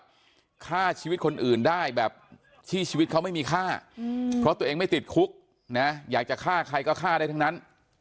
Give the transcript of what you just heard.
ฆ่าชีวิตคนอื่นได้แบบที่ชีวิตเขาไม่มีค่าเพราะตัวเองไม่ติดคุกนะอยากจะฆ่าใครก็ฆ่าได้ทั้งนั้น